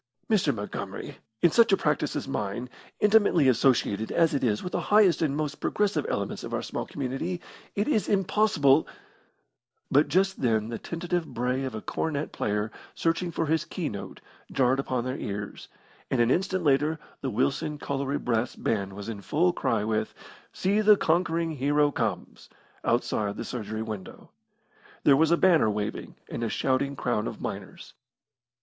"Mr. Montgomery, in such a practice as mine, intimately associated as it is with the highest and most progressive elements of our small community, it is impossible " But just then the tentative bray of a cornet player searching for his key note jarred upon their ears, and an instant later the Wilson Colliery brass band was in full cry with, "See the Conquering Hero Comes," outside the surgery window. There was a banner waving, and a shouting crowd of miners.